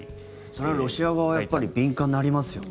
それはロシア側はやっぱり敏感になりますよね。